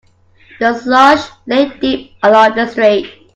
The slush lay deep along the street.